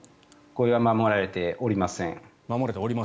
これは守られておりません。